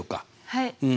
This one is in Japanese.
はい。